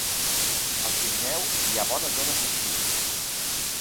Al Pirineu hi ha bones zones d'esquí.